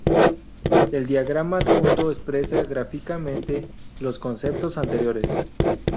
El diagrama adjunto expresa gráficamente los conceptos anteriores.